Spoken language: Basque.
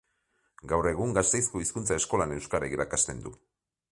Gaur egun Gasteizko Hizkuntza Eskolan euskara irakasten du.